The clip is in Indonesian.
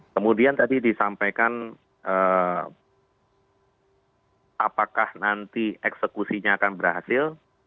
kemudian tadi disampaikan apakah nanti eksekusinya akan berhasil